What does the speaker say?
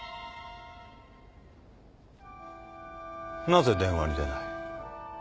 なぜ電話に出ない？